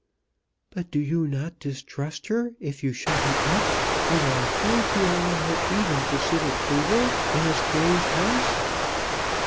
"But do you not distrust her if you shut her up, and are afraid to allow her even to sit at table in a strange house?"